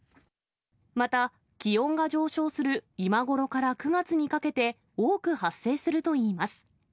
また、気温が上昇する今ごろから９月にかけて、多く発生するといいます。